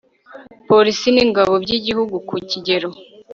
polisi n ingabo by'igihugu ku kigero